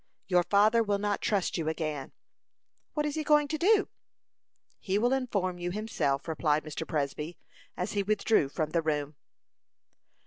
"Your father will not trust you again." "What is he going to do?" "He will inform you himself," replied Mr. Presby, as he withdrew from the room.